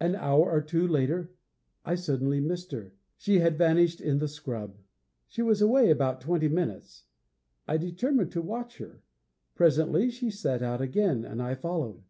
An hour or two later, I suddenly missed her; she had vanished in the scrub. She was away about twenty minutes. I determined to watch her. Presently she set out again, and I followed.